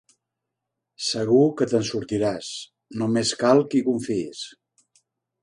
Segur que te'n sortiràs: només cal que hi confiïs.